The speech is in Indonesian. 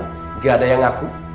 tidak ada yang ngaku